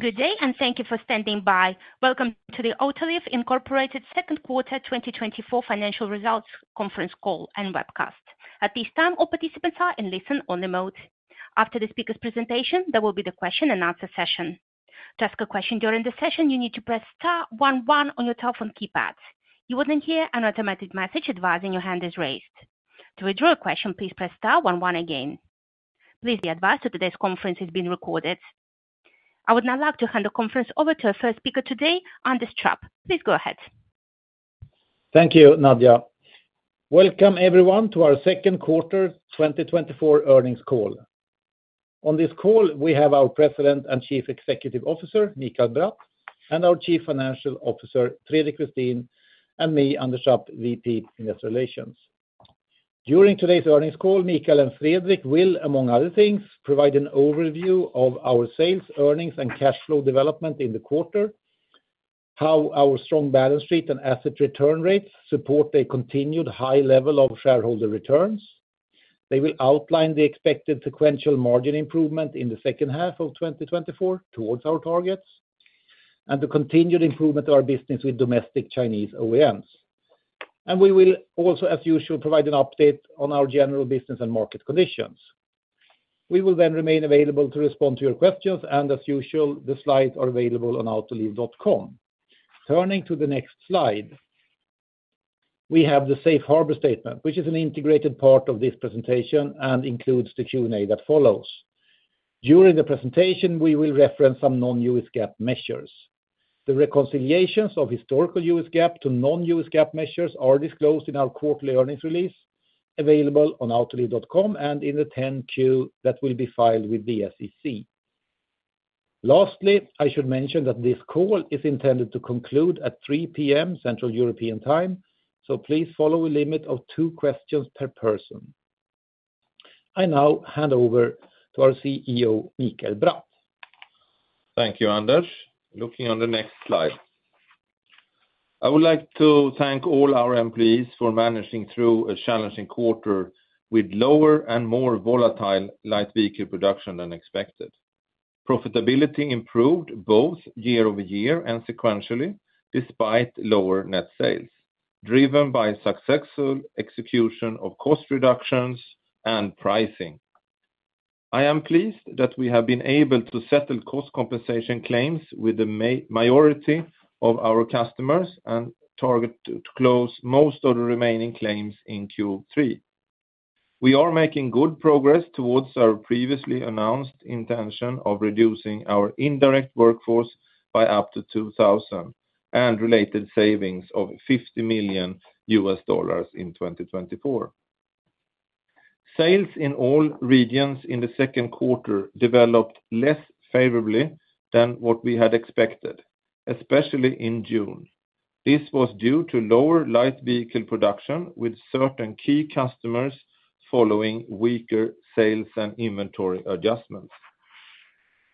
Good day, and thank you for standing by. Welcome to the Autoliv Incorporated's second quarter 2024 financial results conference call and webcast. At this time, all participants are in listen-only mode. After the speaker's presentation, there will be the question-and-answer session. To ask a question during the session, you need to press *11* on your telephone keypad. You will then hear an automatic message advising your hand is raised. To withdraw a question, please press *11* again. Please be advised that today's conference is being recorded. I would now like to hand the conference over to our first speaker today, Anders Trapp. Please go ahead. Thank you, Nadja. Welcome, everyone, to our second quarter 2024 earnings call. On this call, we have our President and Chief Executive Officer, Mikael Bratt, and our Chief Financial Officer, Fredrik Westin, and me, Anders Trapp, VP Investor Relations. During today's earnings call, Mikael and Fredrik will, among other things, provide an overview of our sales, earnings, and cash flow development in the quarter, how our strong balance sheet and asset return rates support a continued high level of shareholder returns. They will outline the expected sequential margin improvement in the second half of 2024 towards our targets, and the continued improvement of our business with domestic Chinese OEMs. And we will also, as usual, provide an update on our general business and market conditions. We will then remain available to respond to your questions, and as usual, the slides are available on autoliv.com. Turning to the next slide, we have the Safe Harbor Statement, which is an integrated part of this presentation and includes the Q&A that follows. During the presentation, we will reference some non-US GAAP measures. The reconciliations of historical US GAAP to non-US GAAP measures are disclosed in our quarterly earnings release, available on autoliv.com and in the 10-Q that will be filed with the SEC. Lastly, I should mention that this call is intended to conclude at 3:00 P.M. Central European Time, so please follow a limit of two questions per person. I now hand over to our CEO, Mikael Bratt. Thank you, Anders. Looking on the next slide, I would like to thank all our employees for managing through a challenging quarter with lower and more volatile light vehicle production than expected. Profitability improved both year over year and sequentially despite lower net sales, driven by successful execution of cost reductions and pricing. I am pleased that we have been able to settle cost compensation claims with the majority of our customers and target to close most of the remaining claims in Q3. We are making good progress towards our previously announced intention of reducing our indirect workforce by up to 2,000 and related savings of $50 million in 2024. Sales in all regions in the second quarter developed less favorably than what we had expected, especially in June. This was due to lower light vehicle production with certain key customers following weaker sales and inventory adjustments.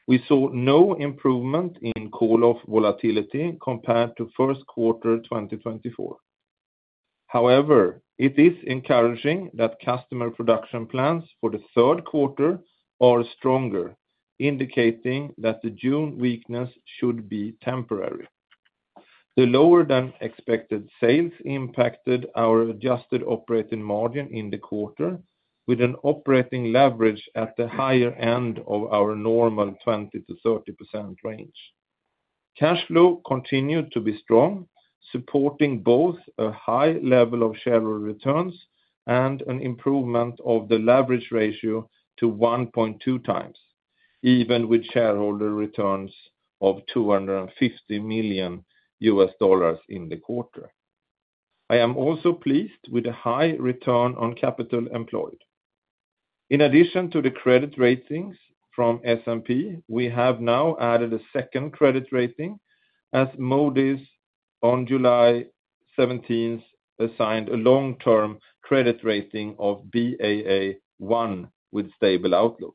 We saw no improvement in call-off volatility compared to first quarter 2024. However, it is encouraging that customer production plans for the third quarter are stronger, indicating that the June weakness should be temporary. The lower-than-expected sales impacted our adjusted operating margin in the quarter, with an operating leverage at the higher end of our normal 20%-30% range. Cash flow continued to be strong, supporting both a high level of shareholder returns and an improvement of the leverage ratio to 1.2 times, even with shareholder returns of $250 million in the quarter. I am also pleased with the high return on capital employed. In addition to the credit ratings from S&P, we have now added a second credit rating as Moody's on July 17th assigned a long-term credit rating of Baa1 with stable outlook.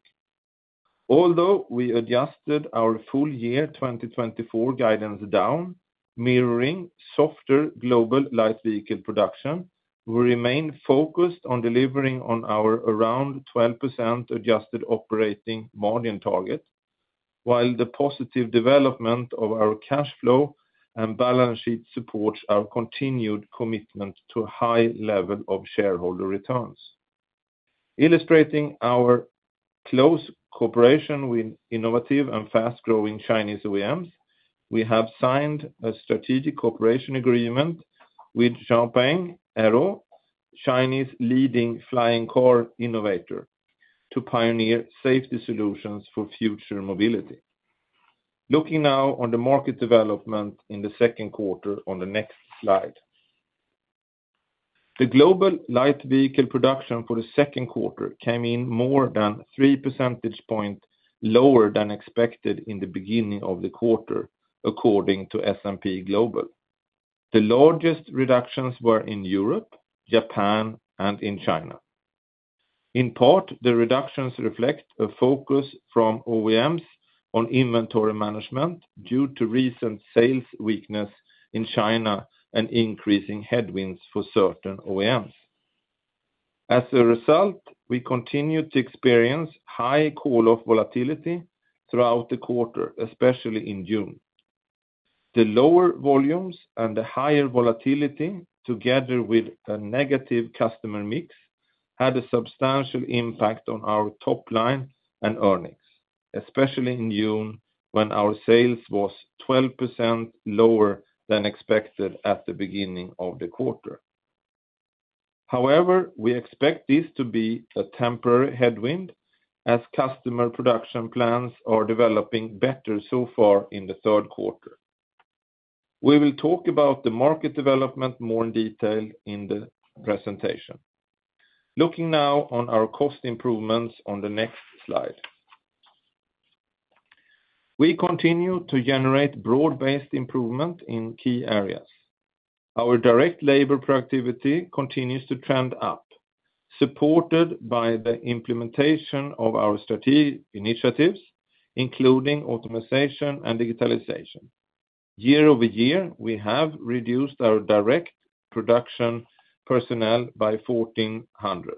Although we adjusted our full year 2024 guidance down, mirroring softer global light vehicle production, we remain focused on delivering on our around 12% adjusted operating margin target, while the positive development of our cash flow and balance sheet supports our continued commitment to a high level of shareholder returns. Illustrating our close cooperation with innovative and fast-growing Chinese OEMs, we have signed a strategic cooperation agreement with XPENG AEROHT, Chinese leading flying car innovator, to pioneer safety solutions for future mobility. Looking now on the market development in the second quarter on the next slide, the global light vehicle production for the second quarter came in more than 3 percentage points lower than expected in the beginning of the quarter, according to S&P Global. The largest reductions were in Europe, Japan, and in China. In part, the reductions reflect a focus from OEMs on inventory management due to recent sales weakness in China and increasing headwinds for certain OEMs. As a result, we continue to experience high call-off volatility throughout the quarter, especially in June. The lower volumes and the higher volatility, together with a negative customer mix, had a substantial impact on our top line and earnings, especially in June when our sales was 12% lower than expected at the beginning of the quarter. However, we expect this to be a temporary headwind as customer production plans are developing better so far in the third quarter. We will talk about the market development more in detail in the presentation. Looking now on our cost improvements on the next slide, we continue to generate broad-based improvement in key areas. Our direct labor productivity continues to trend up, supported by the implementation of our strategic initiatives, including automatization and digitalization. Year-over-year, we have reduced our direct production personnel by 1,400.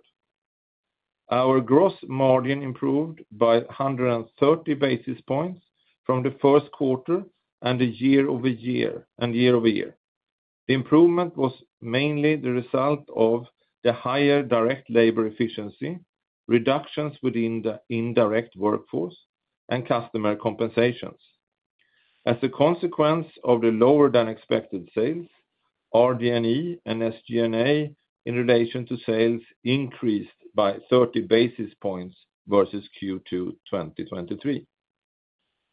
Our gross margin improved by 130 basis points from the first quarter and year-over-year. The improvement was mainly the result of the higher direct labor efficiency, reductions within the indirect workforce, and customer compensations. As a consequence of the lower-than-expected sales, RD&E and SG&A in relation to sales increased by 30 basis points versus Q2 2023.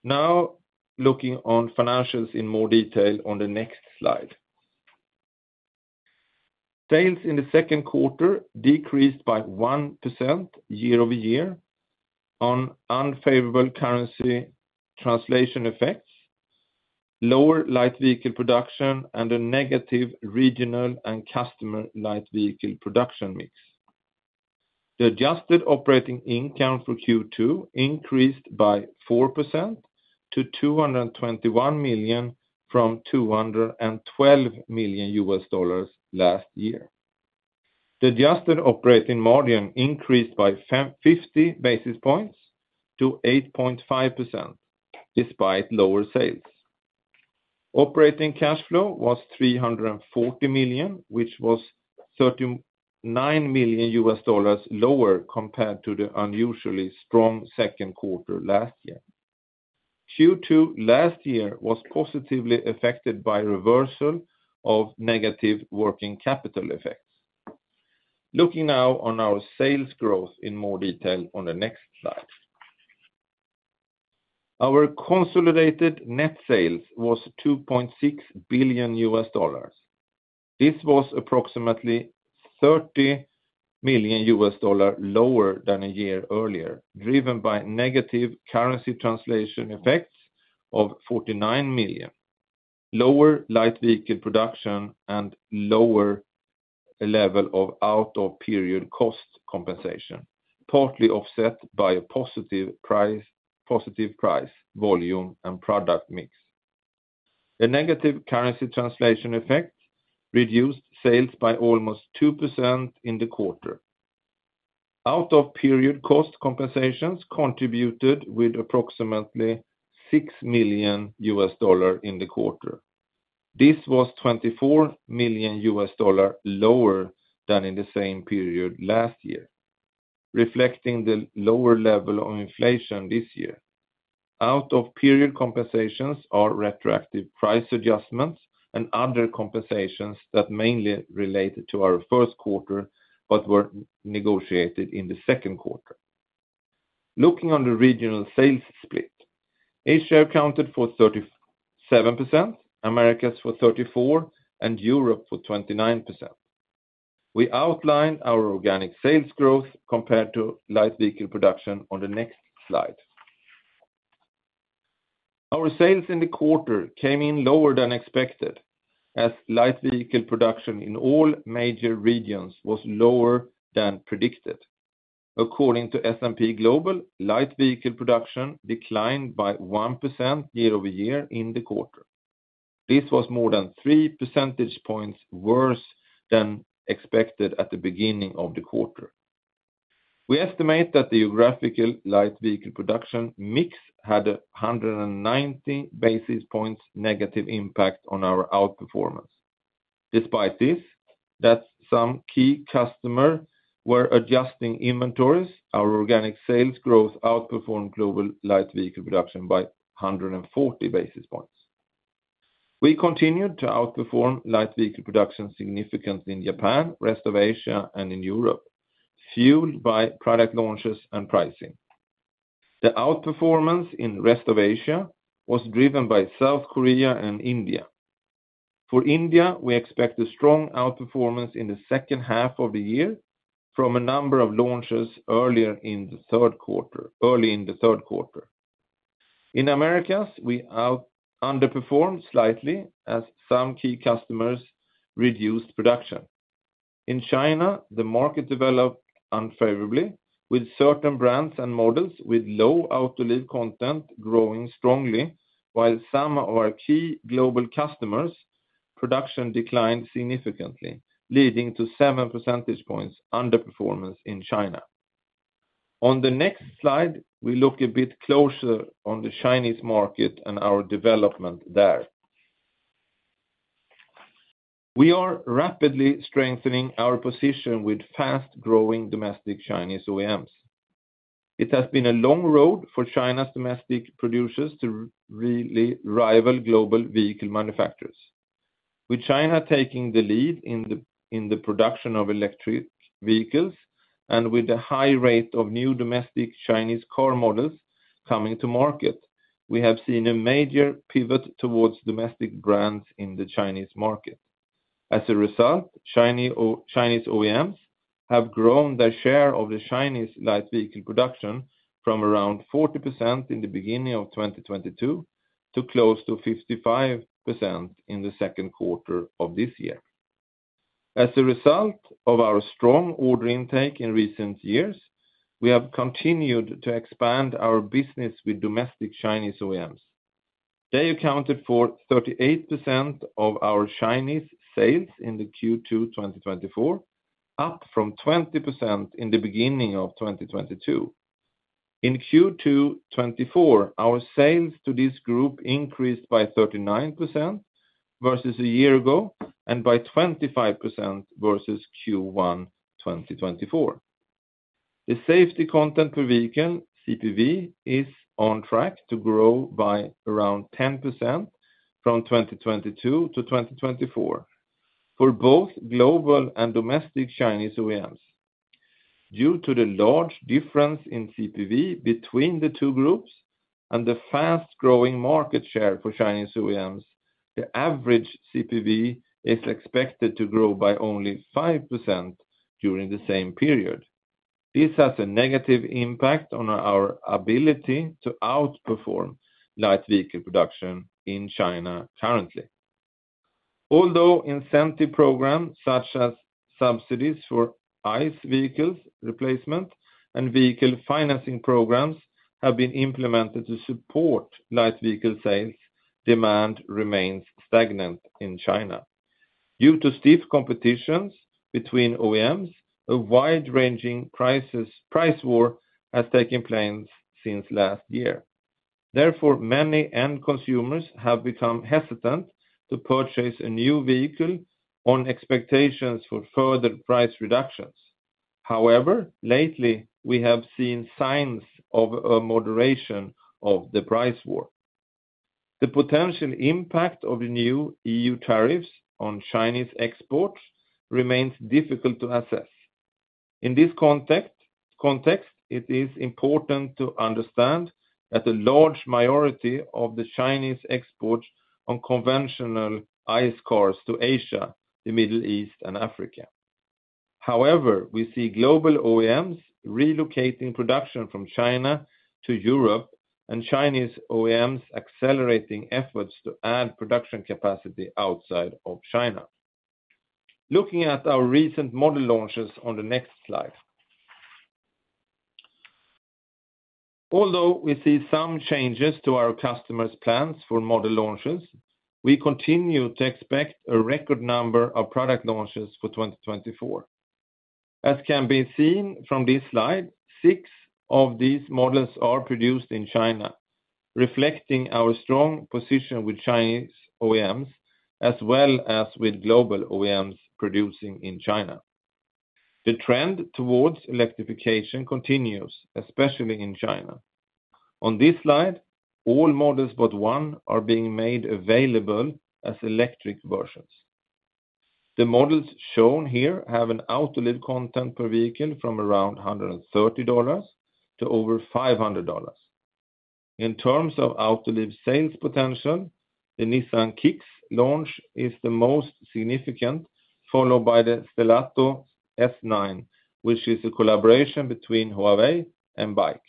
Now, looking on financials in more detail on the next slide, sales in the second quarter decreased by 1% year-over-year on unfavorable currency translation effects, lower light vehicle production, and a negative regional and customer light vehicle production mix. The adjusted operating income for Q2 increased by 4% to $221 million from $212 million US dollars last year. The adjusted operating margin increased by 50 basis points to 8.5% despite lower sales. Operating cash flow was $340 million, which was $39 million lower compared to the unusually strong second quarter last year. Q2 last year was positively affected by a reversal of negative working capital effects. Looking now on our sales growth in more detail on the next slide, our consolidated net sales was $2.6 billion. This was approximately $30 million lower than a year earlier, driven by negative currency translation effects of $49 million, lower light vehicle production, and lower level of out-of-period cost compensation, partly offset by a positive price, volume, and product mix. The negative currency translation effect reduced sales by almost 2% in the quarter. Out-of-period cost compensations contributed with approximately $6 million in the quarter. This was $24 million lower than in the same period last year, reflecting the lower level of inflation this year. Out-of-period compensations are retroactive price adjustments and other compensations that mainly related to our first quarter but were negotiated in the second quarter. Looking on the regional sales split, Asia accounted for 37%, America for 34%, and Europe for 29%. We outlined our organic sales growth compared to light vehicle production on the next slide. Our sales in the quarter came in lower than expected as light vehicle production in all major regions was lower than predicted. According to S&P Global, light vehicle production declined by 1% year over year in the quarter. This was more than 3 percentage points worse than expected at the beginning of the quarter. We estimate that the geographical light vehicle production mix had a 190 basis points negative impact on our outperformance. Despite this, that some key customers were adjusting inventories, our organic sales growth outperformed global light vehicle production by 140 basis points. We continued to outperform light vehicle production significantly in Japan, rest of Asia, and in Europe, fueled by product launches and pricing. The outperformance in rest of Asia was driven by South Korea and India. For India, we expect a strong outperformance in the second half of the year from a number of launches earlier in the third quarter, early in the third quarter. In Americas, we underperformed slightly as some key customers reduced production. In China, the market developed unfavorably, with certain brands and models with low Autoliv content growing strongly, while some of our key global customers' production declined significantly, leading to 7 percentage points underperformance in China. On the next slide, we look a bit closer on the Chinese market and our development there. We are rapidly strengthening our position with fast-growing domestic Chinese OEMs. It has been a long road for China's domestic producers to really rival global vehicle manufacturers. With China taking the lead in the production of electric vehicles and with the high rate of new domestic Chinese car models coming to market, we have seen a major pivot towards domestic brands in the Chinese market. As a result, Chinese OEMs have grown their share of the Chinese light vehicle production from around 40% in the beginning of 2022 to close to 55% in the second quarter of this year. As a result of our strong order intake in recent years, we have continued to expand our business with domestic Chinese OEMs. They accounted for 38% of our Chinese sales in the Q2 2024, up from 20% in the beginning of 2022. In Q2 2024, our sales to this group increased by 39% versus a year ago and by 25% versus Q1 2024. The safety content per vehicle (CPV) is on track to grow by around 10% from 2022 to 2024 for both global and domestic Chinese OEMs. Due to the large difference in CPV between the two groups and the fast-growing market share for Chinese OEMs, the average CPV is expected to grow by only 5% during the same period. This has a negative impact on our ability to outperform light vehicle production in China currently. Although incentive programs such as subsidies for ICE vehicle replacement and vehicle financing programs have been implemented to support light vehicle sales, demand remains stagnant in China. Due to stiff competitions between OEMs, a wide-ranging price war has taken place since last year. Therefore, many end consumers have become hesitant to purchase a new vehicle on expectations for further price reductions. However, lately, we have seen signs of a moderation of the price war. The potential impact of new EU tariffs on Chinese exports remains difficult to assess. In this context, it is important to understand that a large majority of the Chinese exports of conventional ICE cars to Asia, the Middle East, and Africa. However, we see global OEMs relocating production from China to Europe and Chinese OEMs accelerating efforts to add production capacity outside of China. Looking at our recent model launches on the next slide, although we see some changes to our customers' plans for model launches, we continue to expect a record number of product launches for 2024. As can be seen from this slide, six of these models are produced in China, reflecting our strong position with Chinese OEMs as well as with global OEMs producing in China. The trend towards electrification continues, especially in China. On this slide, all models but one are being made available as electric versions. The models shown here have an Autoliv content per vehicle from around $130 to over $500. In terms of Autoliv sales potential, the Nissan Kicks launch is the most significant, followed by the Stelato S9, which is a collaboration between Huawei and BAIC.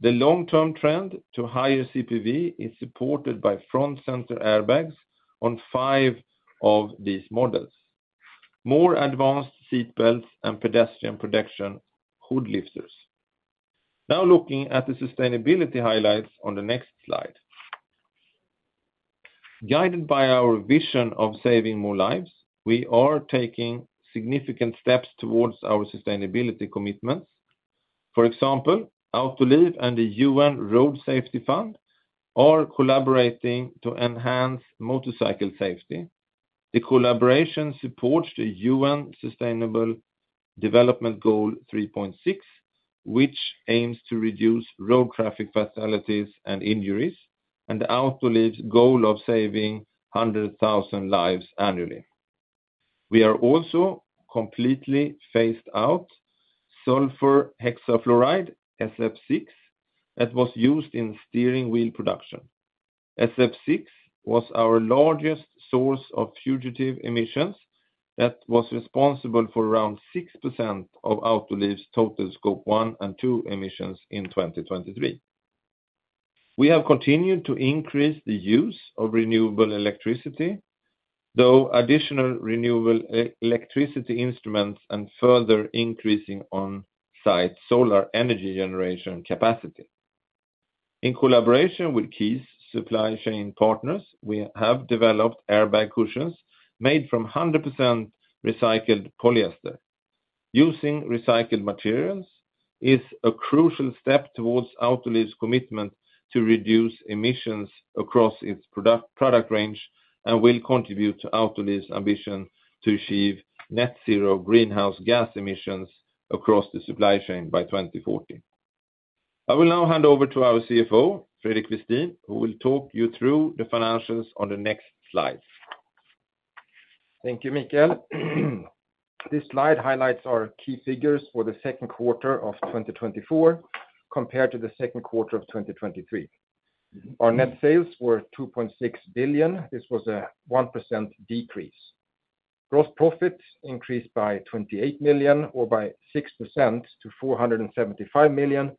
The long-term trend to higher CPV is supported by front-center airbags on five of these models, more advanced seatbelts, and pedestrian protection hood lifters. Now, looking at the sustainability highlights on the next slide, guided by our vision of saving more lives, we are taking significant steps towards our sustainability commitments. For example, Autoliv and the UN Road Safety Fund are collaborating to enhance motorcycle safety. The collaboration supports the UN Sustainable Development Goal 3.6, which aims to reduce road traffic fatalities and injuries, and Autoliv's goal of saving 100,000 lives annually. We are also completely phased out sulfur hexafluoride (SF6) that was used in steering wheel production. SF6 was our largest source of fugitive emissions that was responsible for around 6% of Autoliv's total Scope 1 and 2 emissions in 2023. We have continued to increase the use of renewable electricity through additional renewable electricity instruments and further increasing on-site solar energy generation capacity. In collaboration with key supply chain partners, we have developed airbag cushions made from 100% recycled polyester. Using recycled materials is a crucial step towards Autoliv's commitment to reduce emissions across its product range and will contribute to Autoliv's ambition to achieve net zero greenhouse gas emissions across the supply chain by 2040. I will now hand over to our CFO, Fredrik Westin, who will talk you through the financials on the next slides. Thank you, Mikael. This slide highlights our key figures for the second quarter of 2024 compared to the second quarter of 2023. Our net sales were $2.6 billion. This was a 1% decrease. Gross profits increased by $28 million or by 6% to $475 million,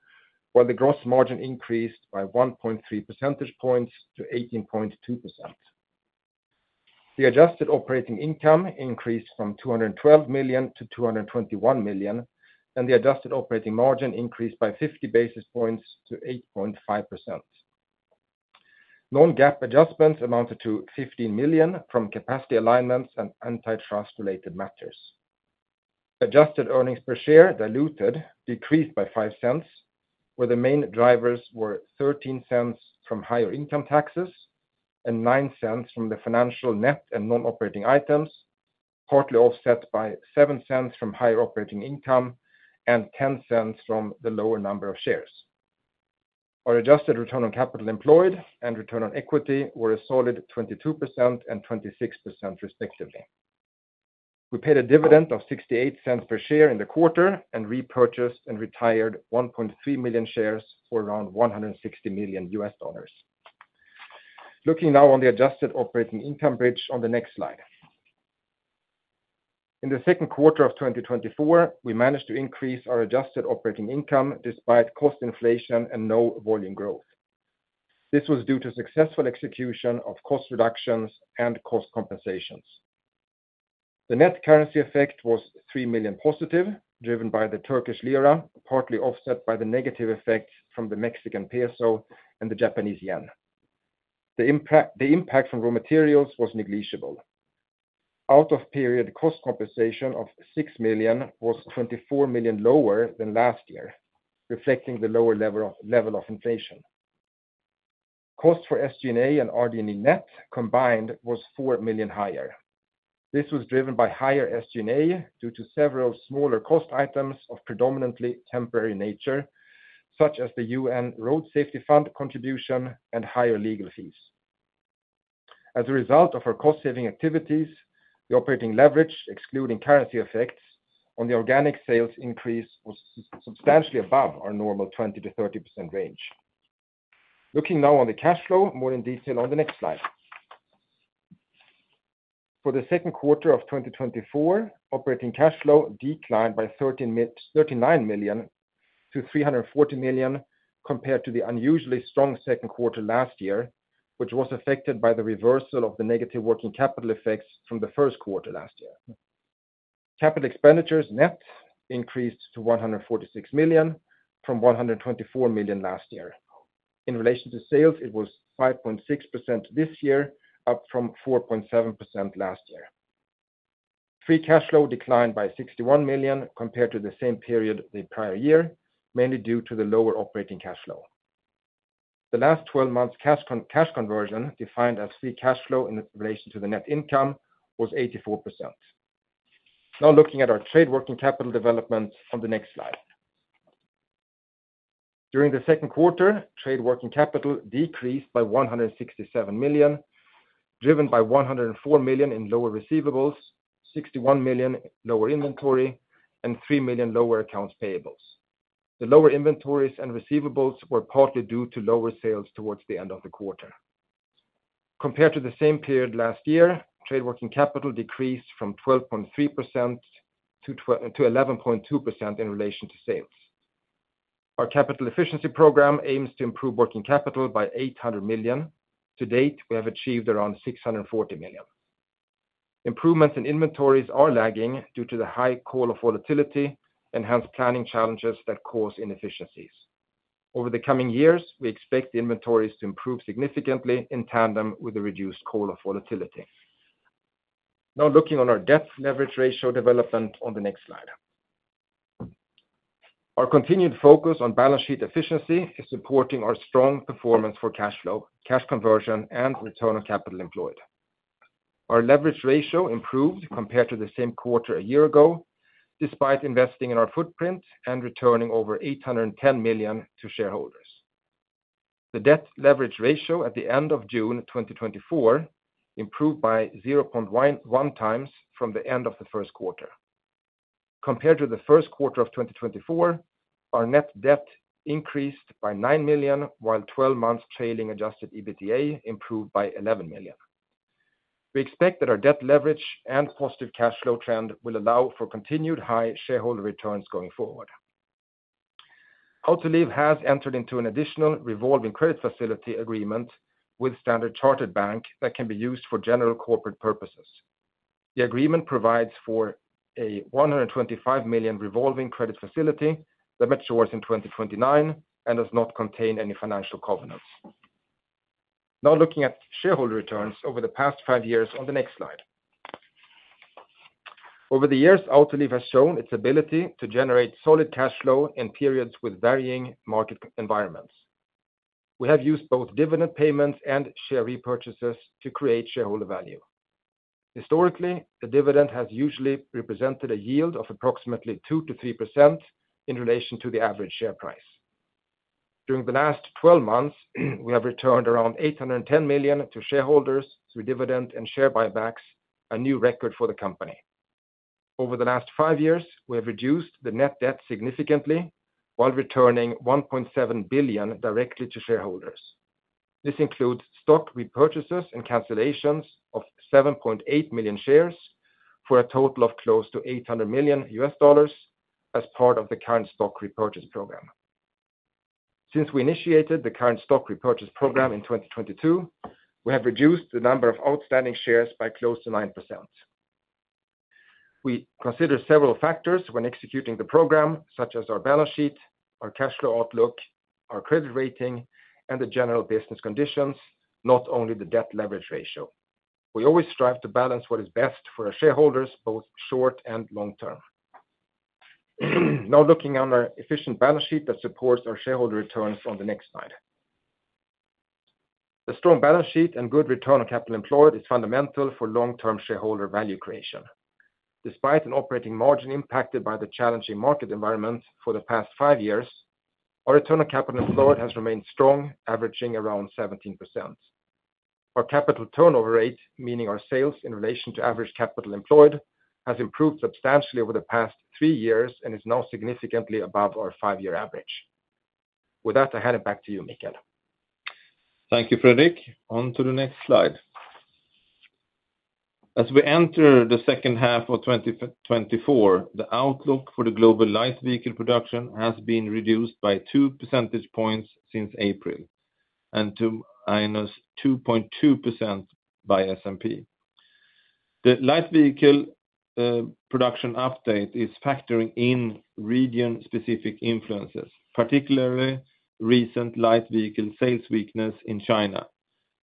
while the gross margin increased by 1.3 percentage points to 18.2%. The adjusted operating income increased from $212 million to $221 million, and the adjusted operating margin increased by 50 basis points to 8.5%. Non-GAAP adjustments amounted to $15 million from capacity alignments and antitrust-related matters. Adjusted earnings per share, diluted, decreased by $0.05, where the main drivers were $0.13 from higher income taxes and $0.09 from the financial net and non-operating items, partly offset by $0.07 from higher operating income and $0.10 from the lower number of shares. Our adjusted return on capital employed and return on equity were a solid 22% and 26% respectively. We paid a dividend of $0.68 per share in the quarter and repurchased and retired 1.3 million shares for around $160 million. Looking now on the adjusted operating income bridge on the next slide. In the second quarter of 2024, we managed to increase our adjusted operating income despite cost inflation and no volume growth. This was due to successful execution of cost reductions and cost compensations. The net currency effect was $3 million positive, driven by the Turkish lira, partly offset by the negative effects from the Mexican peso and the Japanese yen. The impact from raw materials was negligible. Out-of-period cost compensation of $6 million was $24 million lower than last year, reflecting the lower level of inflation. Cost for SG&A and RD&E net combined was $4 million higher. This was driven by higher SG&A due to several smaller cost items of predominantly temporary nature, such as the UN Road Safety Fund contribution and higher legal fees. As a result of our cost-saving activities, the operating leverage, excluding currency effects, on the organic sales increase was substantially above our normal 20%-30% range. Looking now on the cash flow, more in detail on the next slide. For the second quarter of 2024, operating cash flow declined by $39 million to $340 million compared to the unusually strong second quarter last year, which was affected by the reversal of the negative working capital effects from the first quarter last year. Capital expenditures net increased to $146 million from $124 million last year. In relation to sales, it was 5.6% this year, up from 4.7% last year. Free cash flow declined by $61 million compared to the same period the prior year, mainly due to the lower operating cash flow. The last 12 months' cash conversion, defined as free cash flow in relation to the net income, was 84%. Now, looking at our trade working capital developments on the next slide. During the second quarter, trade working capital decreased by $167 million, driven by $104 million in lower receivables, $61 million lower inventory, and $3 million lower accounts payables. The lower inventories and receivables were partly due to lower sales towards the end of the quarter. Compared to the same period last year, trade working capital decreased from 12.3% to 11.2% in relation to sales. Our capital efficiency program aims to improve working capital by $800 million. To date, we have achieved around $640 million. Improvements in inventories are lagging due to the high call-off volatility and hence planning challenges that cause inefficiencies. Over the coming years, we expect the inventories to improve significantly in tandem with the reduced call-off volatility. Now, looking on our debt leverage ratio development on the next slide. Our continued focus on balance sheet efficiency is supporting our strong performance for cash flow, cash conversion, and return on capital employed. Our leverage ratio improved compared to the same quarter a year ago, despite investing in our footprint and returning over $810 million to shareholders. The debt leverage ratio at the end of June 2024 improved by 0.1 times from the end of the first quarter. Compared to the first quarter of 2024, our net debt increased by $9 million, while 12 months trailing adjusted EBITDA improved by $11 million. We expect that our debt leverage and positive cash flow trend will allow for continued high shareholder returns going forward. Autoliv has entered into an additional revolving credit facility agreement with Standard Chartered Bank that can be used for general corporate purposes. The agreement provides for a $125 million revolving credit facility that matures in 2029 and does not contain any financial covenants. Now, looking at shareholder returns over the past five years on the next slide. Over the years, Autoliv has shown its ability to generate solid cash flow in periods with varying market environments. We have used both dividend payments and share repurchases to create shareholder value. Historically, the dividend has usually represented a yield of approximately 2%-3% in relation to the average share price. During the last 12 months, we have returned around $810 million to shareholders through dividend and share buybacks, a new record for the company. Over the last five years, we have reduced the net debt significantly while returning $1.7 billion directly to shareholders. This includes stock repurchases and cancellations of 7.8 million shares for a total of close to $800 million as part of the current stock repurchase program. Since we initiated the current stock repurchase program in 2022, we have reduced the number of outstanding shares by close to 9%. We consider several factors when executing the program, such as our balance sheet, our cash flow outlook, our credit rating, and the general business conditions, not only the debt leverage ratio. We always strive to balance what is best for our shareholders, both short and long term. Now, looking on our efficient balance sheet that supports our shareholder returns on the next slide. A strong balance sheet and good return on capital employed is fundamental for long-term shareholder value creation. Despite an operating margin impacted by the challenging market environment for the past 5 years, our return on capital employed has remained strong, averaging around 17%. Our capital turnover rate, meaning our sales in relation to average capital employed, has improved substantially over the past 3 years and is now significantly above our 5-year average. With that, I hand it back to you, Mikael. Thank you, Fredrik. On to the next slide. As we enter the second half of 2024, the outlook for the global light vehicle production has been reduced by 2 percentage points since April and to -2.2% by S&P. The light vehicle production update is factoring in region-specific influences, particularly recent light vehicle sales weakness in China,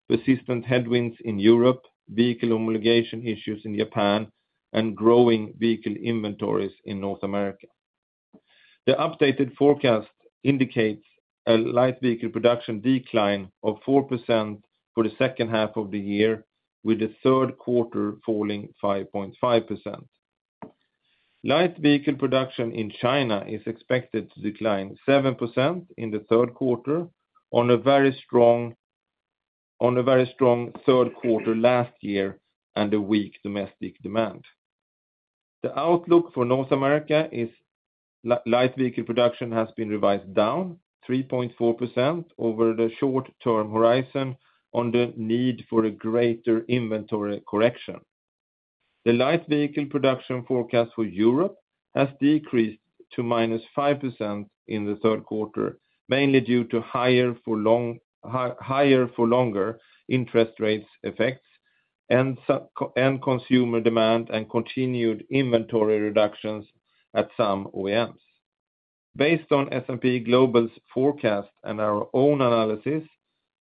persistent headwinds in Europe, vehicle homologation issues in Japan, and growing vehicle inventories in North America. The updated forecast indicates a light vehicle production decline of 4% for the second half of the year, with the third quarter falling 5.5%. Light vehicle production in China is expected to decline 7% in the third quarter on a very strong third quarter last year and a weak domestic demand. The outlook for North America is light vehicle production has been revised down 3.4% over the short-term horizon on the need for a greater inventory correction. The light vehicle production forecast for Europe has decreased to -5% in the third quarter, mainly due to higher for longer interest rates effects and consumer demand and continued inventory reductions at some OEMs. Based on S&P Global's forecast and our own analysis,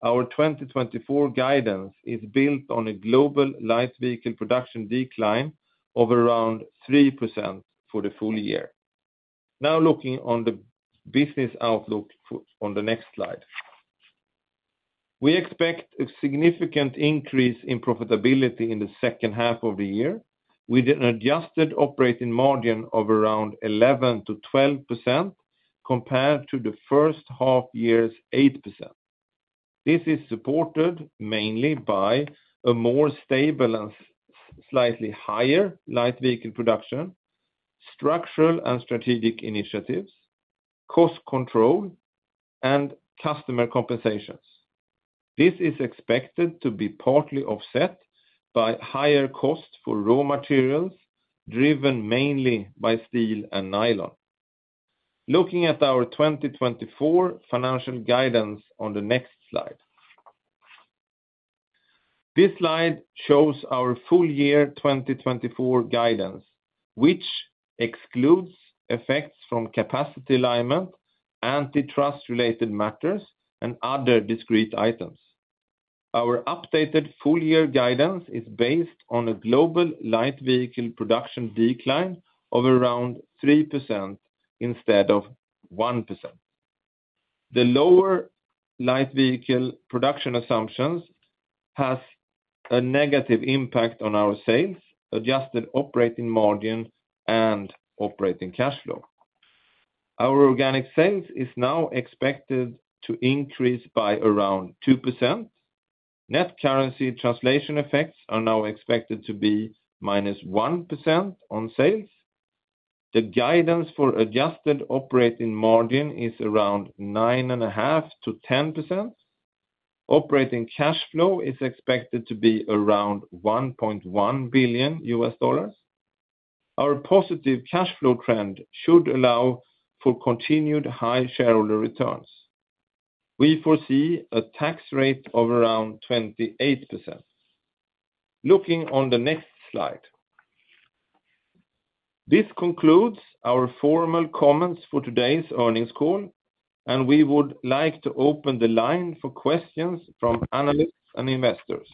our 2024 guidance is built on a global light vehicle production decline of around 3% for the full year. Now, looking on the business outlook on the next slide. We expect a significant increase in profitability in the second half of the year with an adjusted operating margin of around 11%-12% compared to the first half year's 8%. This is supported mainly by a more stable and slightly higher light vehicle production, structural and strategic initiatives, cost control, and customer compensations. This is expected to be partly offset by higher cost for raw materials driven mainly by steel and nylon. Looking at our 2024 financial guidance on the next slide. This slide shows our full year 2024 guidance, which excludes effects from capacity alignment, antitrust-related matters, and other discrete items. Our updated full year guidance is based on a global light vehicle production decline of around 3% instead of 1%. The lower light vehicle production assumptions have a negative impact on our sales, adjusted operating margin, and operating cash flow. Our organic sales are now expected to increase by around 2%. Net currency translation effects are now expected to be -1% on sales. The guidance for adjusted operating margin is around 9.5%-10%. Operating cash flow is expected to be around $1.1 billion. Our positive cash flow trend should allow for continued high shareholder returns. We foresee a tax rate of around 28%. Looking on the next slide. This concludes our formal comments for today's earnings call, and we would like to open the line for questions from analysts and investors.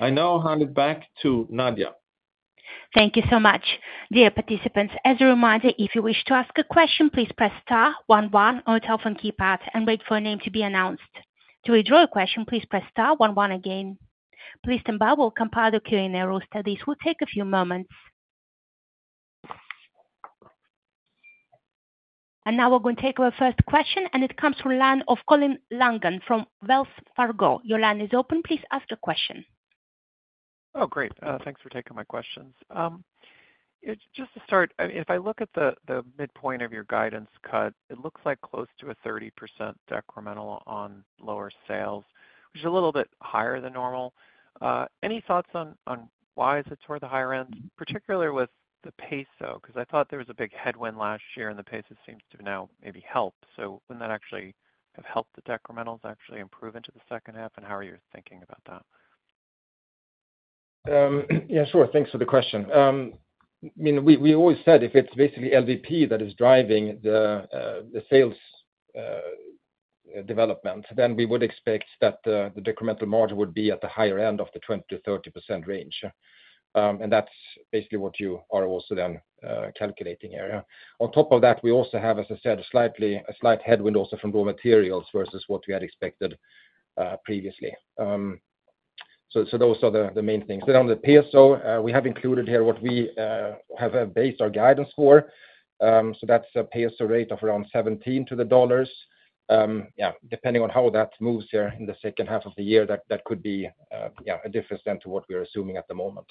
I now hand it back to Nadja. Thank you so much. Dear participants, as a reminder, if you wish to ask a question, please press star 11 on the telephone keypad and wait for a name to be announced. To withdraw a question, please press star 11 again. Please stand by while we'll compile the Q&A roster. This will take a few moments. Now we're going to take our first question, and it comes from the line of Colin Langan from Wells Fargo. Your line is open. Please ask your question. Oh, great. Thanks for taking my questions. Just to start, if I look at the midpoint of your guidance cut, it looks like close to a 30% decremental on lower sales, which is a little bit higher than normal. Any thoughts on why is it toward the higher end, particularly with the peso? Because I thought there was a big headwind last year, and the peso seems to now maybe help. So wouldn't that actually have helped the decrementals actually improve into the second half? And how are you thinking about that? Yeah, sure. Thanks for the question. I mean, we always said if it's basically LVP that is driving the sales development, then we would expect that the decremental margin would be at the higher end of the 20%-30% range. And that's basically what you are also then calculating here. On top of that, we also have, as I said, a slight headwind also from raw materials versus what we had expected previously. So those are the main things. Then on the peso, we have included here what we have based our guidance for. So that's a peso rate of around 17 to the dollars. Yeah, depending on how that moves here in the second half of the year, that could be a difference then to what we're assuming at the moment.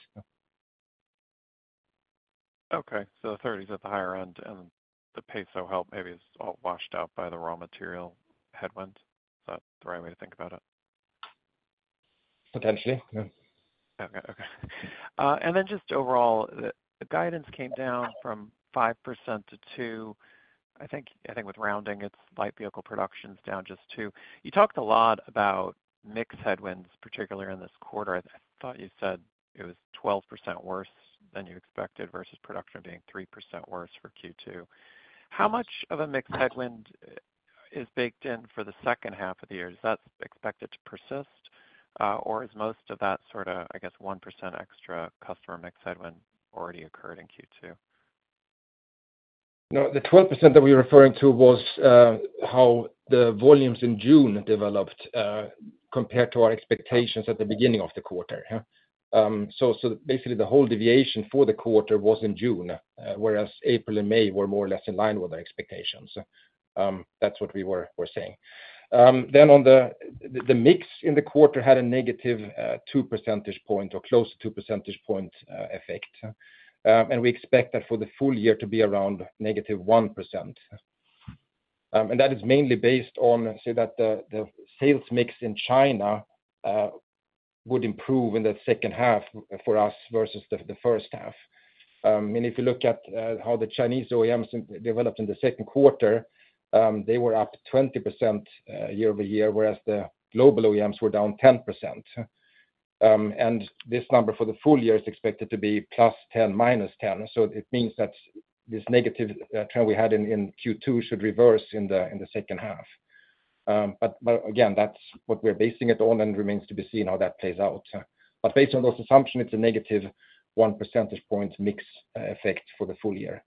Okay. So the 30% is at the higher end, and the peso help maybe is all washed out by the raw material headwind. Is that the right way to think about it? Potentially. Okay. Okay. And then just overall, the guidance came down from 5%-2%. I think with rounding, it's light vehicle production is down just to. You talked a lot about mix headwind, particularly in this quarter. I thought you said it was 12% worse than you expected versus production being 3% worse for Q2. How much of a mix headwind is baked in for the second half of the year? Is that expected to persist, or is most of that sort of, I guess, 1% extra customer mix headwind already occurred in Q2? No, the 12% that we were referring to was how the volumes in June developed compared to our expectations at the beginning of the quarter. So basically, the whole deviation for the quarter was in June, whereas April and May were more or less in line with our expectations. That's what we were saying. Then on the mix, in the quarter, had a negative 2 percentage point or close to 2 percentage point effect. And we expect that for the full year to be around negative 1%. And that is mainly based on, say, that the sales mix in China would improve in the second half for us versus the first half. I mean, if you look at how the Chinese OEMs developed in the second quarter, they were up 20% year-over-year, whereas the global OEMs were down 10%. And this number for the full year is expected to be plus 10%, minus 10%. So it means that this negative trend we had in Q2 should reverse in the second half. But again, that's what we're basing it on, and it remains to be seen how that plays out. But based on those assumptions, it's a negative 1 percentage point mix effect for the full year.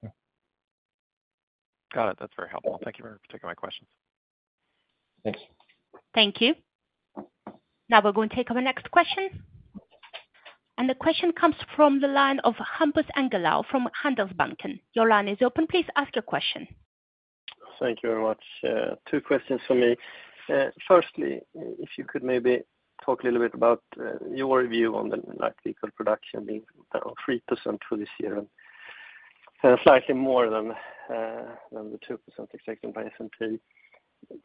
Got it. That's very helpful. Thank you for taking my questions. Thanks. Thank you. Now we're going to take our next question. The question comes from the line of Hampus Engellau from Handelsbanken. Your line is open. Please ask your question. Thank you very much. Two questions for me. Firstly, if you could maybe talk a little bit about your view on the light vehicle production being 3% for this year and slightly more than the 2% expected by S&P.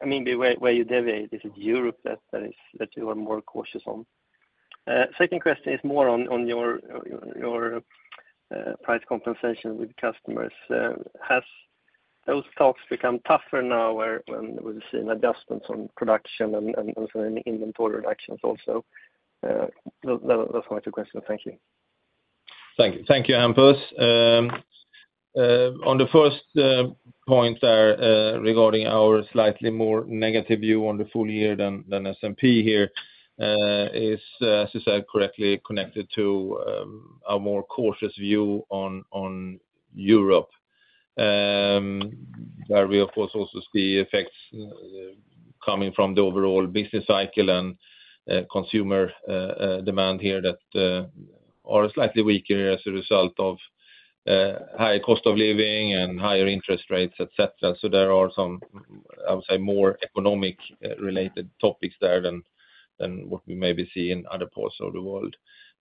I mean, where you deviate, is it Europe that you are more cautious on? Second question is more on your price compensation with customers. Has those talks become tougher now when we've seen adjustments on production and some inventory reductions also? That's my two questions. Thank you. Thank you, Hampus. On the first point there regarding our slightly more negative view on the full year than S&P here is, as you said, correctly connected to our more cautious view on Europe, where we, of course, also see effects coming from the overall business cycle and consumer demand here that are slightly weaker as a result of higher cost of living and higher interest rates, etc. So there are some, I would say, more economic-related topics there than what we maybe see in other parts of the world.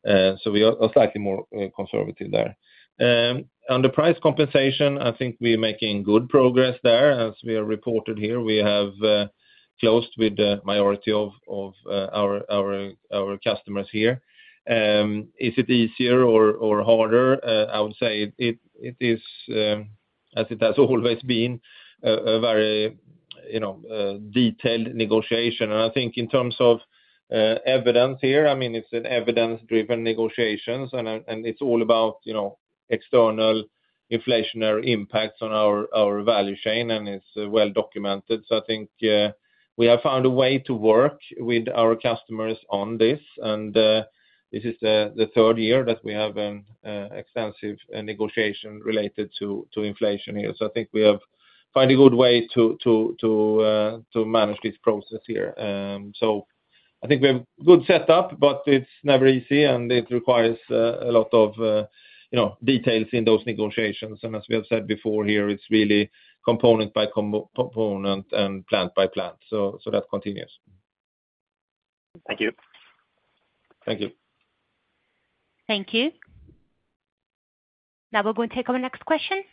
So we are slightly more conservative there. On the price compensation, I think we're making good progress there. As we are reported here, we have closed with the majority of our customers here. Is it easier or harder? I would say it is, as it has always been, a very detailed negotiation. I think in terms of evidence here, I mean, it's an evidence-driven negotiation, and it's all about external inflationary impacts on our value chain, and it's well documented. I think we have found a way to work with our customers on this. This is the third year that we have an extensive negotiation related to inflation here. I think we have found a good way to manage this process here. I think we have a good setup, but it's never easy, and it requires a lot of details in those negotiations. As we have said before here, it's really component by component and plant by plant. That continues. Thank you. Thank you. Thank you. Now we're going to take our next question.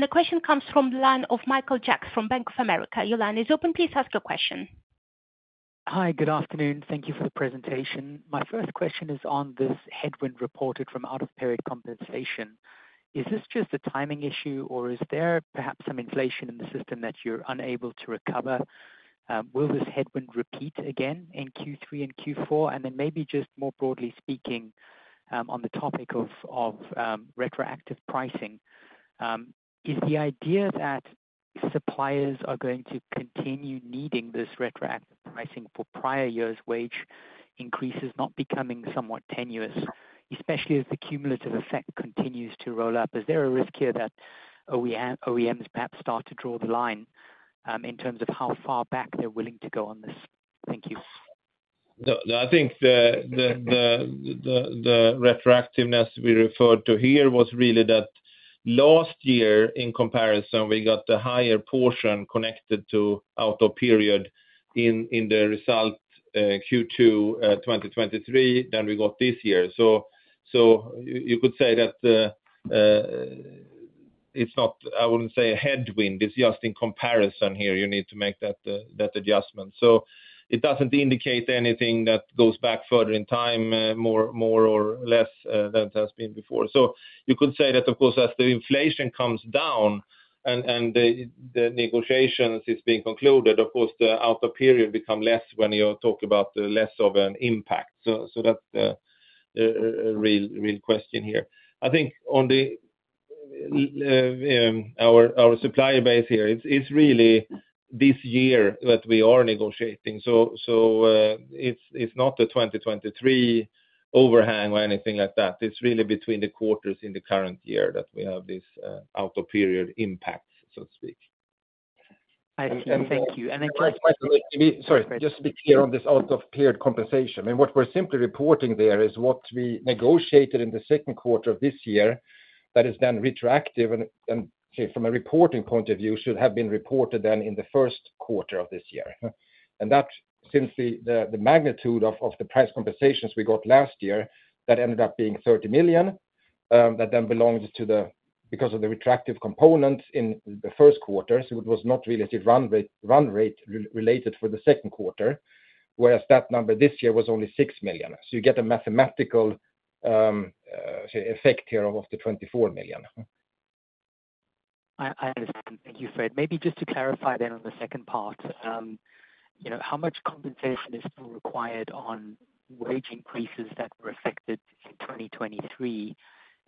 The question comes from the line of Michael Jacks from Bank of America. Your line is open. Please ask your question. Hi, good afternoon. Thank you for the presentation. My first question is on this headwind reported from out-of-period compensation. Is this just a timing issue, or is there perhaps some inflation in the system that you're unable to recover? Will this headwind repeat again in Q3 and Q4? And then maybe just more broadly speaking on the topic of retroactive pricing, is the idea that suppliers are going to continue needing this retroactive pricing for prior years' wage increases not becoming somewhat tenuous, especially as the cumulative effect continues to roll up? Is there a risk here that OEMs perhaps start to draw the line in terms of how far back they're willing to go on this? Thank you. I think the retroactiveness we referred to here was really that last year, in comparison, we got the higher portion connected to out-of-period in the result Q2 2023 than we got this year. So you could say that it's not, I wouldn't say a headwind. It's just in comparison here. You need to make that adjustment. So it doesn't indicate anything that goes back further in time, more or less than it has been before. So you could say that, of course, as the inflation comes down and the negotiations are being concluded, of course, the out-of-period becomes less when you talk about less of an impact. So that's a real question here. I think on our supplier base here, it's really this year that we are negotiating. So it's not the 2023 overhang or anything like that. It's really between the quarters in the current year that we have these out-of-period impacts, so to speak. Thank you. Sorry, just to be clear on this out-of-period compensation. I mean, what we're simply reporting there is what we negotiated in the second quarter of this year that is then retroactive and, from a reporting point of view, should have been reported then in the first quarter of this year. And that, since the magnitude of the price compensations we got last year, that ended up being $30 million that then belonged to the, because of the retroactive components in the first quarter, so it was not really a run rate related for the second quarter, whereas that number this year was only $6 million. So you get a mathematical effect here of the $24 million. I understand. Thank you for it. Maybe just to clarify then on the second part, how much compensation is still required on wage increases that were affected in 2023?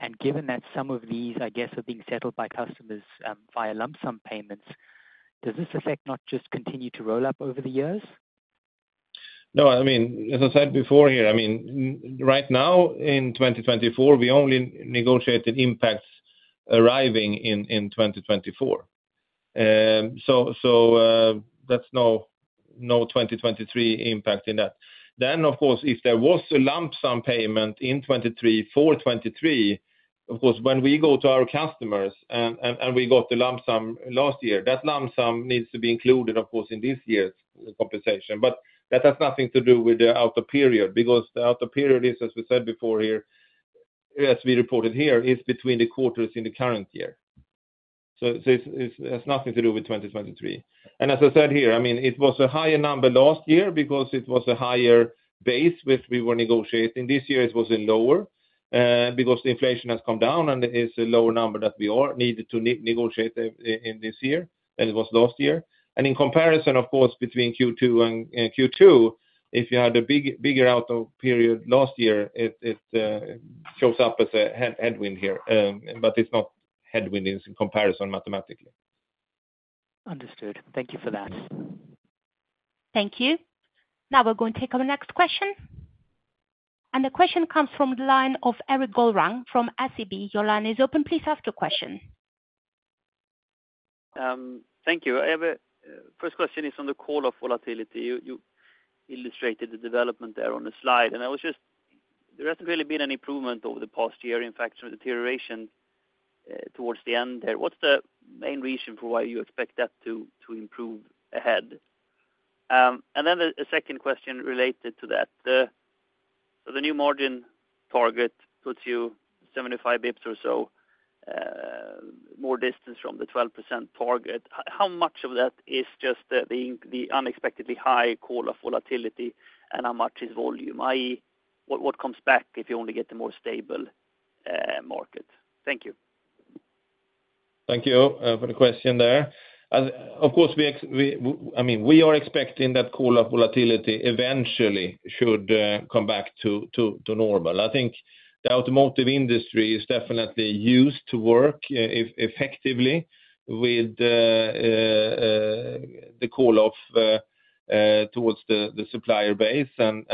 And given that some of these, I guess, are being settled by customers via lump sum payments, does this effect not just continue to roll up over the years? No, I mean, as I said before here, I mean, right now in 2024, we only negotiated impacts arriving in 2024. So that's no 2023 impact in that. Then, of course, if there was a lump sum payment in 2023 for 2023, of course, when we go to our customers and we got the lump sum last year, that lump sum needs to be included, of course, in this year's compensation. But that has nothing to do with the out-of-period because the out-of-period is, as we said before here, as we reported here, is between the quarters in the current year. So it has nothing to do with 2023. And as I said here, I mean, it was a higher number last year because it was a higher base which we were negotiating. This year, it was lower because inflation has come down and it's a lower number that we needed to negotiate in this year than it was last year. And in comparison, of course, between Q2 and Q2, if you had a bigger out-of-period last year, it shows up as a headwind here, but it's not headwind in comparison mathematically. Understood. Thank you for that. Thank you. Now we're going to take our next question. And the question comes from the line of Erik Golrang from SEB. Your line is open? Please ask your question. Thank you. First question is on the call-off volatility. You illustrated the development there on the slide. And there hasn't really been any improvement over the past year, in fact, some deterioration towards the end there. What's the main reason for why you expect that to improve ahead? And then the second question related to that. So the new margin target puts you 75 basis points or so more distance from the 12% target. How much of that is just the unexpectedly high call-off volatility and how much is volume? What comes back if you only get a more stable market? Thank you. Thank you for the question there. Of course, I mean, we are expecting that call-off volatility eventually should come back to normal. I think the automotive industry is definitely used to work effectively with the call-off toward the supplier base, and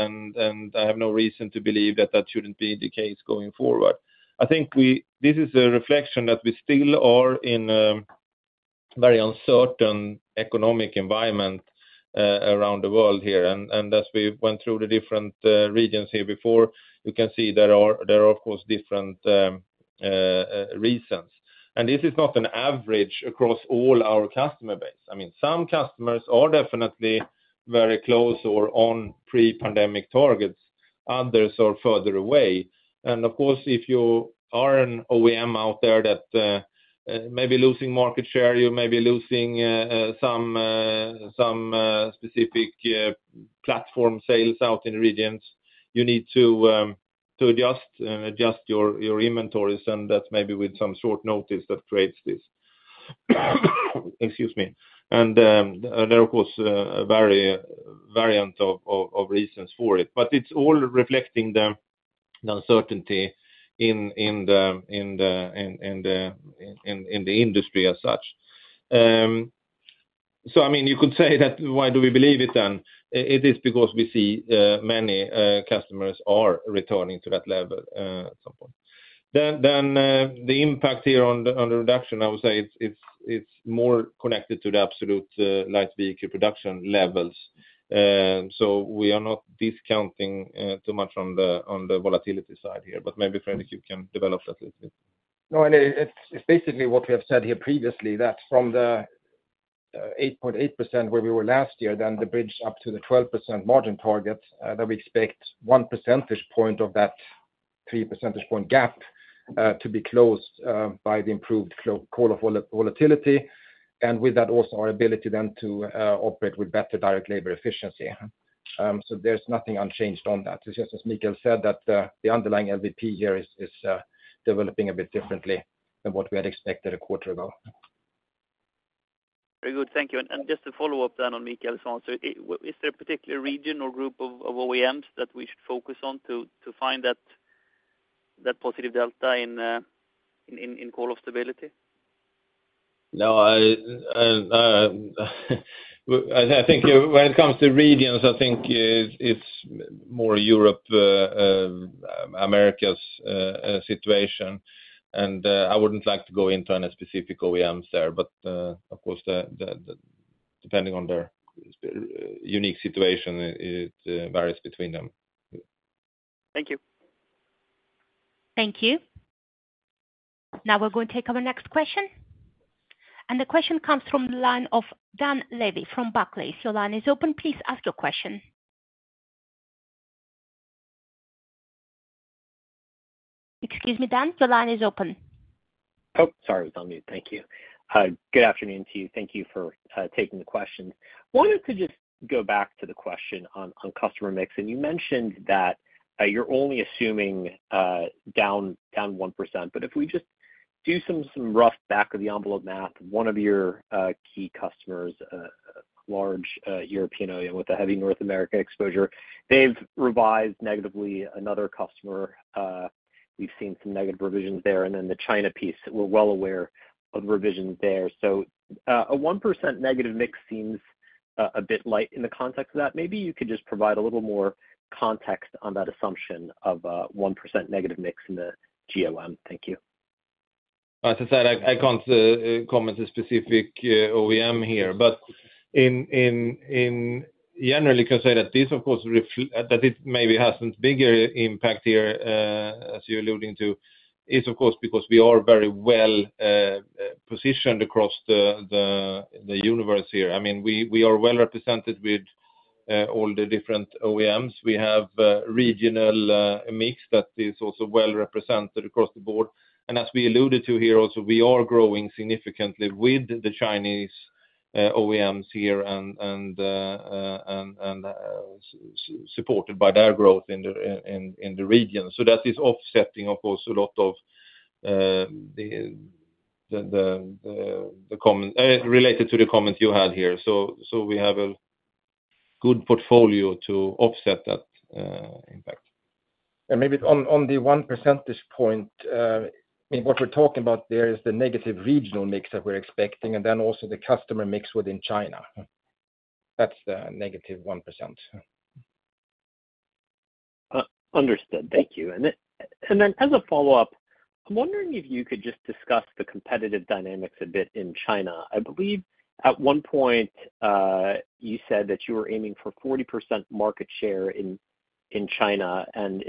I have no reason to believe that that shouldn't be the case going forward. I think this is a reflection that we still are in a very uncertain economic environment around the world here. And as we went through the different regions here before, you can see there are, of course, different reasons. And this is not an average across all our customer base. I mean, some customers are definitely very close or on pre-pandemic targets. Others are further away. And of course, if you are an OEM out there that may be losing market share, you may be losing some specific platform sales out in the regions, you need to adjust your inventories. And that's maybe with some short notice that creates this. Excuse me. There are, of course, a variety of reasons for it, but it's all reflecting the uncertainty in the industry as such. So I mean, you could say that why do we believe it then? It is because we see many customers are returning to that level at some point. Then the impact here on the reduction, I would say it's more connected to the absolute light vehicle production levels. So we are not discounting too much on the volatility side here. But maybe, Fredrik, you can develop that a little bit. No, and it's basically what we have said here previously, that from the 8.8% where we were last year, then the bridge up to the 12% margin target, that we expect one percentage point of that three percentage point gap to be closed by the improved control of volatility. And with that, also our ability then to operate with better direct labor efficiency. So there's nothing unchanged on that. It's just, as Mikael said, that the underlying LVP here is developing a bit differently than what we had expected a quarter ago. Very good. Thank you. And just to follow up then on Mikael's answer, is there a particular region or group of OEMs that we should focus on to find that positive delta in call-off stability? No. I think when it comes to regions, I think it's more Europe, Americas situation. And I wouldn't like to go into any specific OEMs there, but of course, depending on their unique situation, it varies between them. Thank you. Thank you. Now we're going to take our next question. And the question comes from the line of Dan Levy from Barclays. Your line is open. Please ask your question. Excuse me, Dan. Your line is open. Oh, sorry. I'm muted. Thank you. Good afternoon to you. Thank you for taking the questions. I wanted to just go back to the question on customer mix. And you mentioned that you're only assuming down 1%. But if we just do some rough back-of-the-envelope math, one of your key customers, a large European OEM with a heavy North America exposure, they've revised negatively another customer. We've seen some negative revisions there. And then the China piece, we're well aware of revisions there. So a 1% negative mix seems a bit light in the context of that. Maybe you could just provide a little more context on that assumption of a 1% negative mix in the GoM. Thank you. As I said, I can't comment on specific OEM here. But generally, you can say that this, of course, that it maybe has a bigger impact here, as you're alluding to, is, of course, because we are very well positioned across the universe here. I mean, we are well represented with all the different OEMs. We have a regional mix that is also well represented across the board. And as we alluded to here also, we are growing significantly with the Chinese OEMs here and supported by their growth in the region. So that is offsetting, of course, a lot of the comments related to the comments you had here. So we have a good portfolio to offset that impact. And maybe on the one percentage point, I mean, what we're talking about there is the negative regional mix that we're expecting, and then also the customer mix within China. That's the negative 1%. Understood. Thank you. Then as a follow-up, I'm wondering if you could just discuss the competitive dynamics a bit in China. I believe at one point you said that you were aiming for 40% market share in China and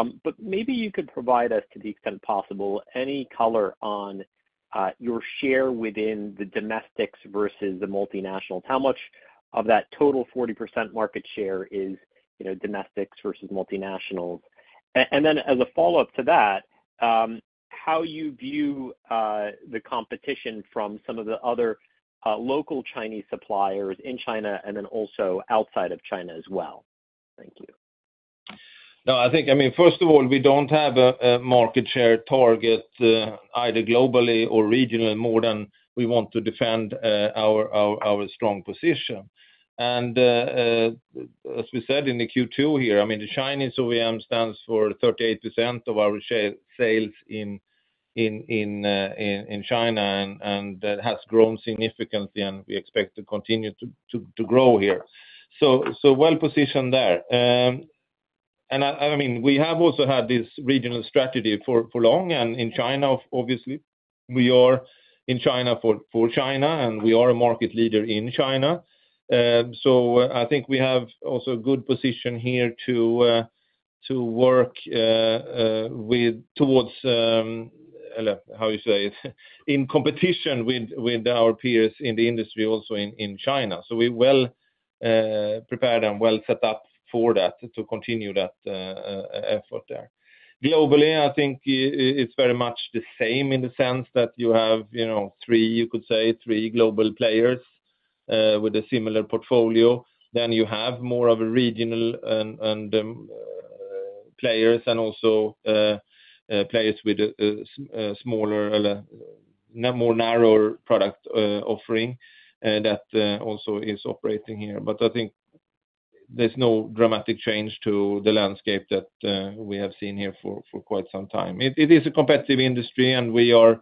improvements from there. Maybe you could provide us, to the extent possible, any color on your share within the domestics versus the multinationals. How much of that total 40% market share is domestics versus multinationals? Then as a follow-up to that, how do you view the competition from some of the other local Chinese suppliers in China and then also outside of China as well? Thank you. No, I think, I mean, first of all, we don't have a market share target either globally or regionally more than we want to defend our strong position. As we said in the Q2 here, I mean, the Chinese OEM stands for 38% of our sales in China and has grown significantly, and we expect to continue to grow here. Well positioned there. I mean, we have also had this regional strategy for long. In China, obviously, we are in China for China, and we are a market leader in China. I think we have also a good position here to work towards, how you say it, in competition with our peers in the industry also in China. We're well prepared and well set up for that to continue that effort there. Globally, I think it's very much the same in the sense that you have three, you could say, three global players with a similar portfolio. Then you have more of a regional players and also players with a smaller or more narrower product offering that also is operating here. But I think there's no dramatic change to the landscape that we have seen here for quite some time. It is a competitive industry, and we are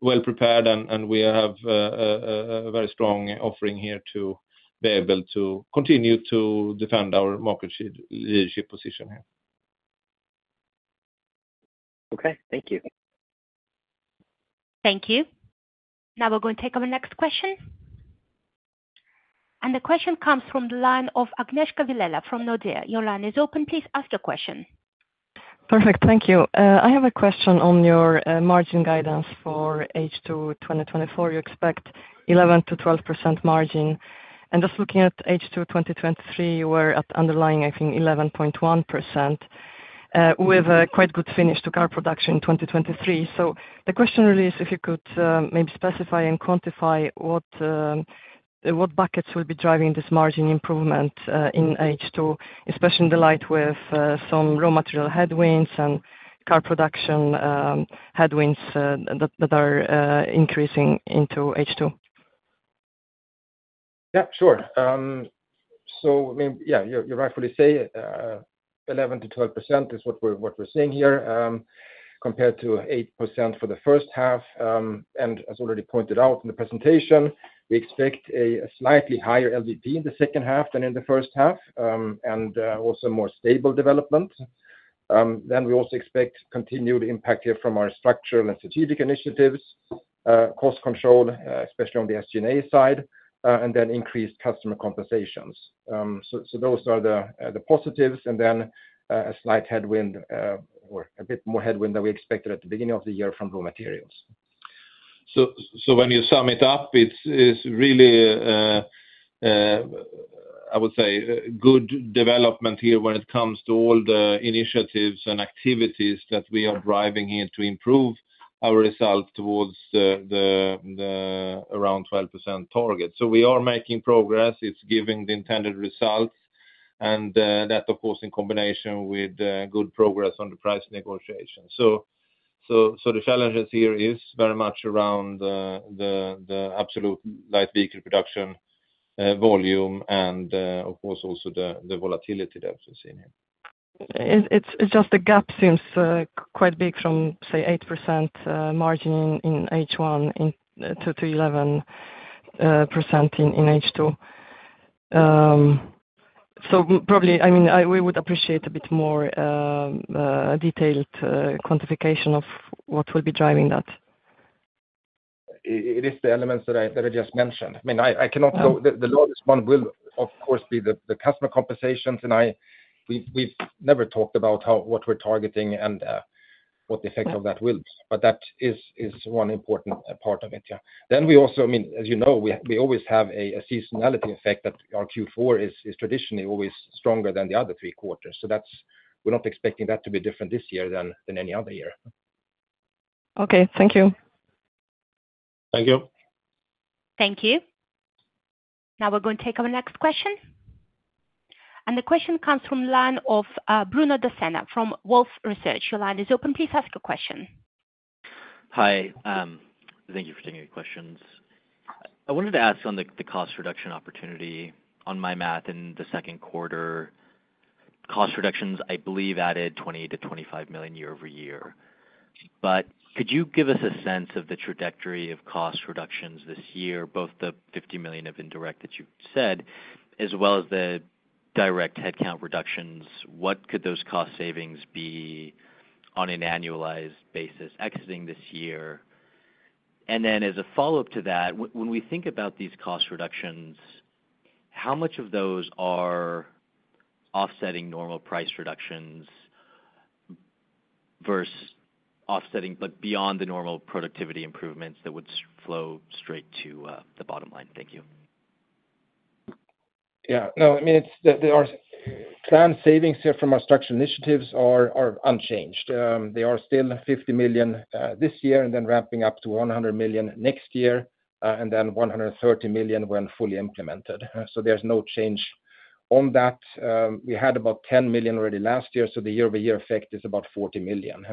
well prepared, and we have a very strong offering here to be able to continue to defend our market leadership position here. Okay. Thank you. Thank you. Now we're going to take our next question. And the question comes from the line of Agnieszka Vilela from Nordea. Your line is open. Please ask your question. Perfect. Thank you. I have a question on your margin guidance for H2 2024. You expect 11%-12% margin. And just looking at H2 2023, you were at underlying, I think, 11.1% with a quite good finish to car production in 2023. So the question really is if you could maybe specify and quantify what buckets will be driving this margin improvement in H2, especially in the light with some raw material headwinds and car production headwinds that are increasing into H2. Yeah, sure. Yeah, you're rightfully saying 11%-12% is what we're seeing here compared to 8% for the first half. As already pointed out in the presentation, we expect a slightly higher LVP in the second half than in the first half and also more stable development. We also expect continued impact here from our structural and strategic initiatives, cost control, especially on the SG&A side, and then increased customer compensations. So those are the positives. And then a slight headwind or a bit more headwind than we expected at the beginning of the year from raw materials. So when you sum it up, it's really, I would say, good development here when it comes to all the initiatives and activities that we are driving here to improve our result towards the around 12% target. So we are making progress. It's giving the intended results. And that, of course, in combination with good progress on the price negotiation. So the challenges here are very much around the absolute light vehicle production volume and, of course, also the volatility that we've seen here. It's just the gap seems quite big from, say, 8% margin in H1 to 11% in H2. So probably, I mean, we would appreciate a bit more detailed quantification of what will be driving that. It is the elements that I just mentioned. I mean, I cannot go the longest one will, of course, be the customer compensations. And we've never talked about what we're targeting and what the effect of that will be. But that is one important part of it. Yeah. Then we also, I mean, as you know, we always have a seasonality effect that our Q4 is traditionally always stronger than the other three quarters. So we're not expecting that to be different this year than any other year. Okay. Thank you. Thank you. Thank you. Now we're going to take our next question. And the question comes from the line of Bruno Dossena from Wolfe Research. Your line is open. Please ask your question. Hi. Thank you for taking the questions. I wanted to ask on the cost reduction opportunity. On my math in the second quarter, cost reductions, I believe, added $20 million-$25 million year-over-year. But could you give us a sense of the trajectory of cost reductions this year, both the $50 million of indirect that you said as well as the direct headcount reductions? What could those cost savings be on an annualized basis exiting this year? And then as a follow-up to that, when we think about these cost reductions, how much of those are offsetting normal price reductions versus offsetting, but beyond the normal productivity improvements that would flow straight to the bottom line? Thank you. Yeah. No, I mean, the planned savings here from our structural initiatives are unchanged. They are still $50 million this year and then ramping up to $100 million next year and then $130 million when fully implemented. So there's no change on that. We had about $10 million already last year. So the year-over-year effect is about $40 million.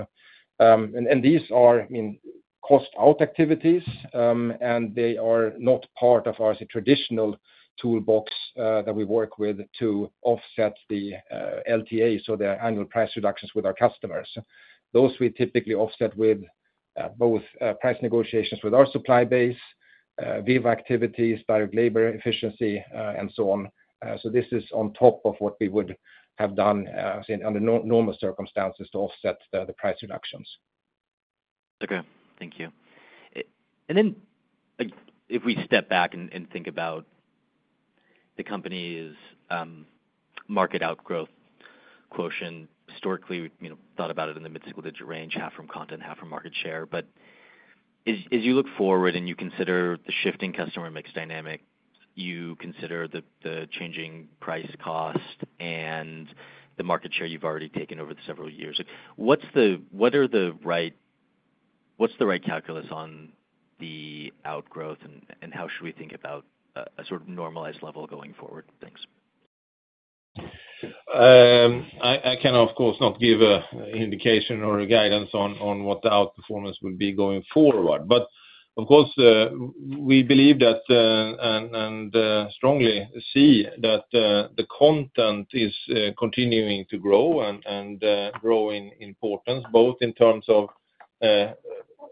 And these are, I mean, cost-out activities, and they are not part of our traditional toolbox that we work with to offset the LTA, so the annual price reductions with our customers. Those we typically offset with both price negotiations with our supply base, VA/VE activities, direct labor efficiency, and so on. So this is on top of what we would have done under normal circumstances to offset the price reductions. Okay. Thank you. And then if we step back and think about the company's market outgrowth quotient, historically, we thought about it in the mid-single-digit range, half from content, half from market share. But as you look forward and you consider the shifting customer mix dynamic, you consider the changing price/cost and the market share you've already taken over several years. What are the right calculus on the outperformance, and how should we think about a sort of normalized level going forward? Thanks. I can, of course, not give an indication or a guidance on what the outperformance will be going forward. But of course, we believe that and strongly see that the content is continuing to grow and grow in importance, both in terms of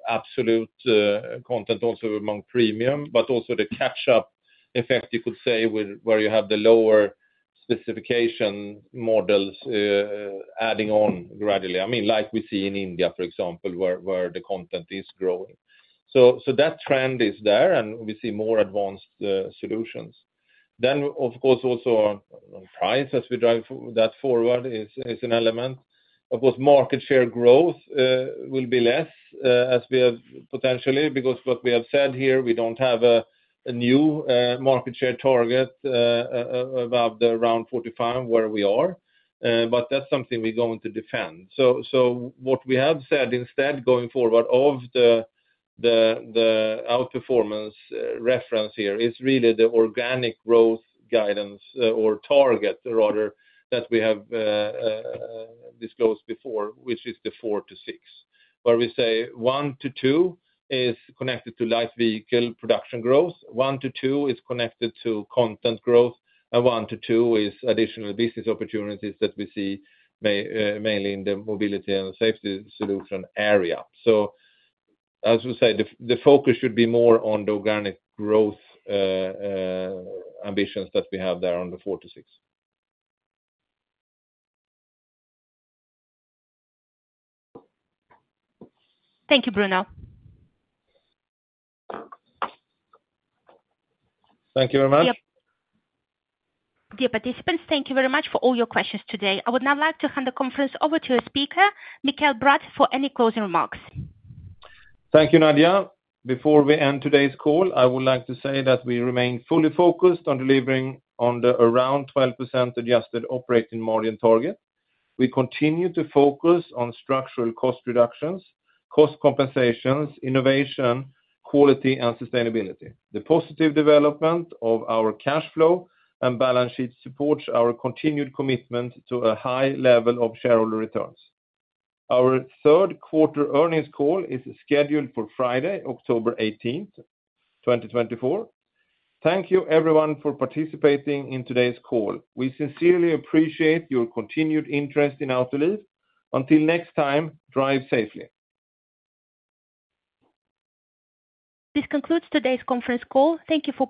absolute content also among premium, but also the catch-up effect, you could say, where you have the lower specification models adding on gradually. I mean, like we see in India, for example, where the content is growing. So that trend is there, and we see more advanced solutions. Then, of course, also price as we drive that forward is an element. Of course, market share growth will be less as we have potentially because what we have said here, we don't have a new market share target above the around 45 where we are. But that's something we're going to defend. So what we have said instead going forward of the outperformance reference here is really the organic growth guidance or target, rather, that we have disclosed before, which is the 4-6, where we say 1-2 is connected to light vehicle production growth. 1-2 is connected to content growth, and 1-2 is additional business opportunities that we see mainly in the mobility and safety solution area. So as we say, the focus should be more on the organic growth ambitions that we have there on the 4-6. Thank you, Bruno. Thank you very much. Dear participants, thank you very much for all your questions today. I would now like to hand the conference over to your speaker, Mikael Bratt, for any closing remarks. Thank you, Nadja. Before we end today's call, I would like to say that we remain fully focused on delivering on the around 12% adjusted operating margin target. We continue to focus on structural cost reductions, cost compensations, innovation, quality, and sustainability. The positive development of our cash flow and balance sheet supports our continued commitment to a high level of shareholder returns. Our third quarter earnings call is scheduled for Friday, October 18th, 2024. Thank you, everyone, for participating in today's call. We sincerely appreciate your continued interest in Autoliv. Until next time, drive safely. This concludes today's conference call. Thank you for.